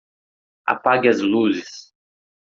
Apague as luzes.